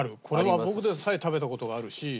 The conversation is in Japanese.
これは僕でさえ食べた事があるし